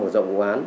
ở dòng quán